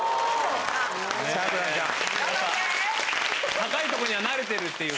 高いとこには慣れてるっていう。